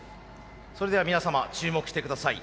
それでは皆様注目して下さい。